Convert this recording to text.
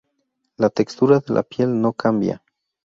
La textura de la piel no cambia.